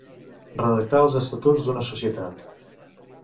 Redactar els estatuts d'una societat.